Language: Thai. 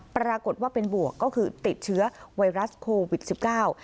ปรากฏว่าเป็นบวกก็คือติดเชื้อไวรัสโควิดสิบเก้า